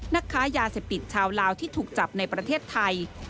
นักค้ายาเสพติดชาวลาวที่ถูกจับในประเทศไทย